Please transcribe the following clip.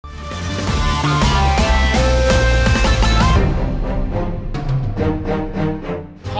การตอบคำถามแบบไม่ตรงคำถามนะครับ